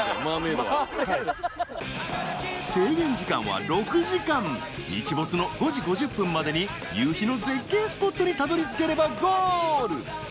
制限時間は６時間日没の５時５０分までに夕日の絶景スポットにたどりつければゴール！